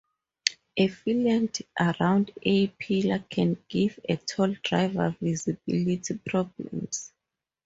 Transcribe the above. A fillet round A-pillar can give a tall driver visibility problems.